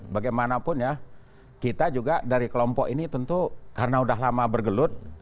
bagaimanapun ya kita juga dari kelompok ini tentu karena sudah lama bergelut